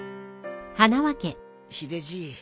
ヒデじい